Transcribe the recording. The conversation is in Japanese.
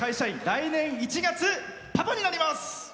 来年１月、パパになります。